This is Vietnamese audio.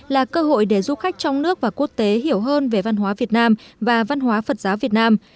là cơ hội để du khách trong nước và quốc tế hiểu hơn về văn hóa việt nam và văn hóa phật giáo việt nam